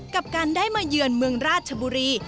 กับการได้มาเยือนเมืองราชบุรี